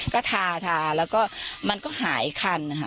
ก็ทาแล้วก็มันก็หายคัน